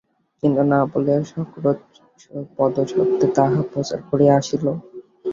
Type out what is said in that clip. কিন্তু না বলিয়া সক্রোধে পদশব্দে তাহা প্রচার করিয়া আসিল।